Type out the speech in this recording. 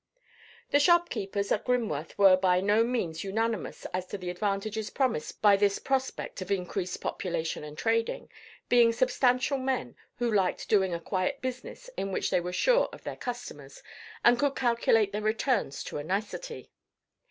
The shopkeepers at Grimworth were by no means unanimous as to the advantages promised by this prospect of increased population and trading, being substantial men, who liked doing a quiet business in which they were sure of their customers, and could calculate their returns to a nicety.